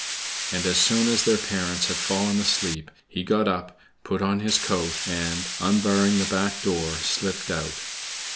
And as soon as their parents had fallen asleep he got up, put on his coat, and, unbarring the back door, slipped out.